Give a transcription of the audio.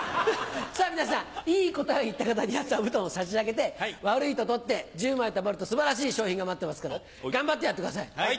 皆さんいい答えを言った方には座布団を差し上げて悪いと取って１０枚たまると素晴らしい賞品が待ってますから頑張ってやってください。